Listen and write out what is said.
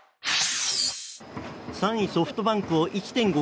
３位ソフトバンクを１．５